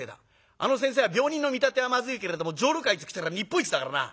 あの先生は病人の見立てはまずいけれども女郎買いときたら日本一だからな。